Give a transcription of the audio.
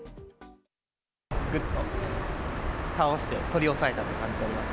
ぐっと、倒して取り押さえたって感じになります。